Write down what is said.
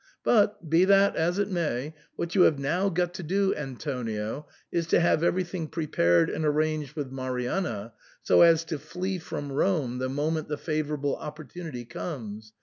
But, be that as it may, what you have now got to do, Antonio, is to have everything prepared and arranged with Marianna, so as to flee from Rome the moment the favourable op portunity comes.